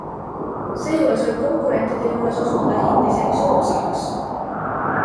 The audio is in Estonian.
Seejuures võib konkurentide juures osutuda hind isegi soodsamaks.